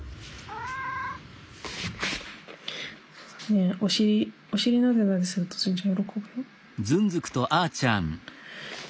ねえお尻なでなでするとズンちゃん喜ぶよ。